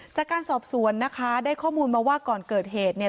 จากการสอบสวนนะคะได้ข้อมูลมาว่าก่อนเกิดเหตุเนี่ย